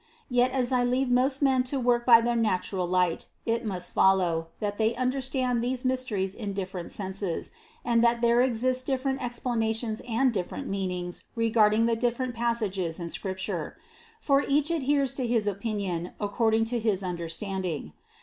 Yet, as I leave most men to work by their natural light, it must follow, that they understand these mys teries in different senses, and that there exist different ex planations and different meanings regarding the different passages in Scripture; for each adheres to his opinion according to his understanding.